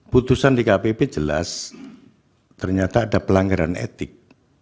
putusan dkpp jelas ternyata ada pelanggaran etik